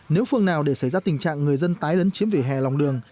nếu phương nào để xảy ra tình trạng người dân tái lấn chiếm vỉa hè lòng đường